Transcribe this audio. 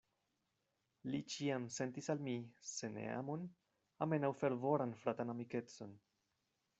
Li ĉiam sentis al mi, se ne amon, almenaŭ fervoran fratan amikecon.